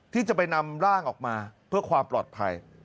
ที่จะไปนำร่างออกมาเพื่อความปลอดภัย